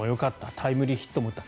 タイムリーヒットも打った。